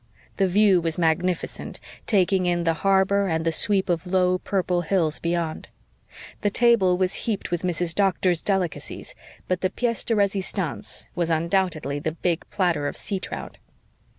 The view was magnificent, taking in the harbor and the sweep of low, purple hills beyond. The table was heaped with Mrs. Doctor's delicacies but the piece de resistance was undoubtedly the big platter of sea trout.